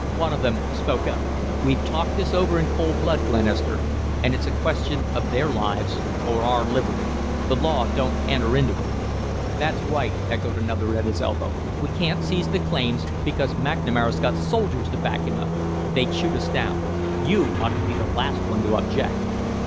One of them spoke up. "We've talked this over in cold blood, Glenister, and it's a question of their lives or our liberty. The law don't enter into it." "That's right," echoed another at his elbow. "We can't seize the claims, because McNamara's got soldiers to back him up. They'd shoot us down. You ought to be the last one to object."